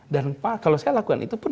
dan kalau saya lakukan itu pun